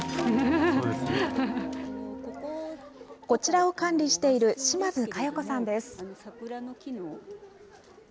こちらを管理している島津克代子さんです。